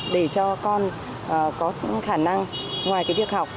để cho con có khả năng ngoài cái việc học